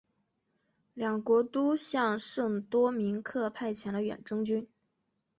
两国都向圣多明克派遣了远征军。